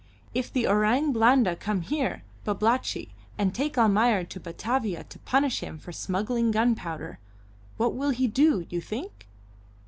"If the Orang Blanda come here, Babalatchi, and take Almayer to Batavia to punish him for smuggling gunpowder, what will he do, you think?"